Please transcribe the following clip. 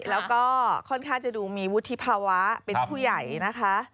แล้วก็ค่อนข้างจะดูมีวุฒิภาวะเป็นผู้ใหญ่นะคะ